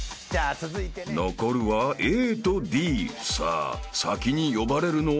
［残るはＡとＤさあ先に呼ばれるのは？］